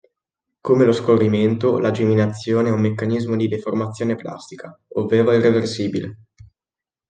Come lo scorrimento, la geminazione è un meccanismo di deformazione plastica, ovvero irreversibile.